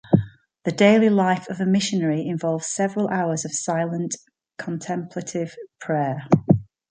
The daily life of a missionary involves several hours of silent contemplative prayer.